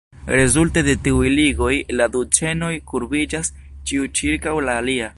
Rezulte de tiuj ligoj, la du ĉenoj kurbiĝas, ĉiu ĉirkaŭ la alia.